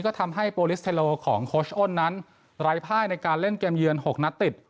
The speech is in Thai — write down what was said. ก็ทำให้โปรลิสเทโลของโค้ชอ้นนั้นไร้ภายในการเล่นเกมเยือน๖นัดติด